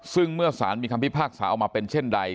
ซึ่งเมื่อสารมีคำพิพากษาออกมาเป็นเช่นใด